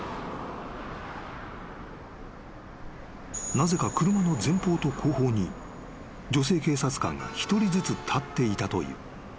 ［なぜか車の前方と後方に女性警察官が一人ずつ立っていたという］